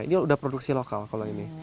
ini udah produksi lokal kalau ini